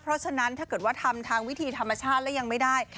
เพราะฉะนั้นถ้าเกิดว่าทำทางวิธีธรรมชาติแล้วยังไม่ได้